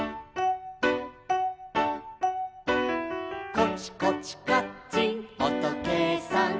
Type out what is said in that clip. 「コチコチカッチンおとけいさん」